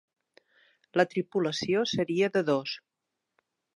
La tripulació seria de dos.